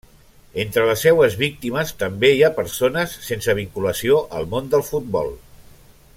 Entre les seues víctimes també hi ha persones sense vinculació al món del futbol.